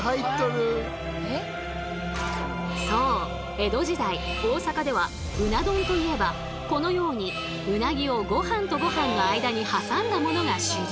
江戸時代大阪ではうな丼といえばこのようにうなぎをごはんとごはんの間に挟んだものが主流。